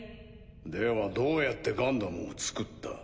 ではどうやってガンダムを造った？